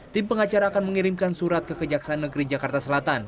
tim pengacara akan mengirimkan surat ke kejaksaan negeri jakarta selatan